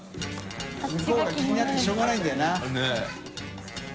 Ⅳ海Δ気になってしょうがないんだよな。